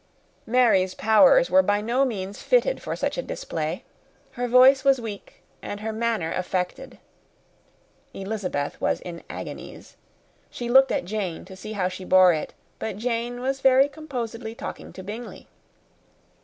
Mary's powers were by no means fitted for such a display; her voice was weak, and her manner affected. Elizabeth was in agonies. She looked at Jane to see how she bore it; but Jane was very composedly talking to Bingley.